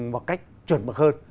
một cách chuẩn mực hơn